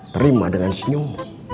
terima dengan senyum